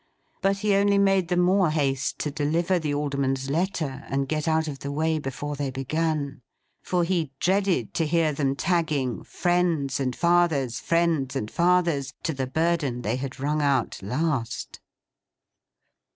But he only made the more haste to deliver the Alderman's letter, and get out of the way before they began; for he dreaded to hear them tagging 'Friends and Fathers, Friends and Fathers,' to the burden they had rung out last.